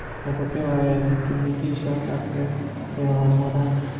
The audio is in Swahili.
Matokeo hayo yalithibitisha afya ya Wamoran